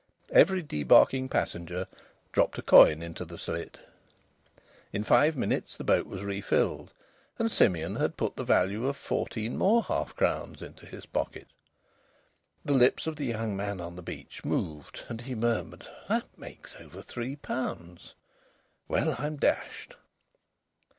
Every debarking passenger dropped a coin into the slit. In five minutes the boat was refilled, and Simeon had put the value of fourteen more half crowns into his pocket. The lips of the young man on the beach moved, and he murmured: "That makes over three pounds! Well, I'm dashed!"